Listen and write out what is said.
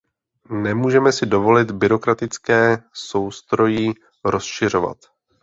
Nemůžeme si dovolit byrokratické soustrojí rozšiřovat.